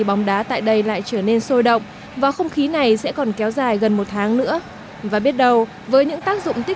bóng đá bóng xem thì làm gì rồi